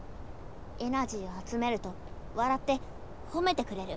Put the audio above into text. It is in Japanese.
エナジーをあつめるとわらってほめてくれる。